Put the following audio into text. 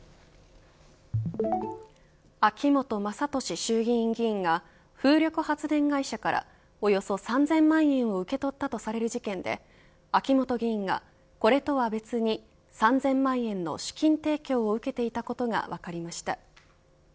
秋本真利衆議院議員が風力発電会社からおよそ３０００万円を受け取ったとされる事件で秋本議員がこれとは別に３０００万円の資金提供を受けていたことが分かりました。